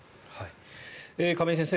亀井先生